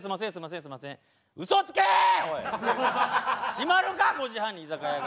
閉まるか５時半に居酒屋が！